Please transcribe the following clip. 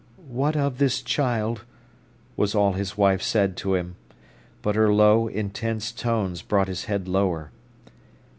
"What of this child?" was all his wife said to him. But her low, intense tones brought his head lower.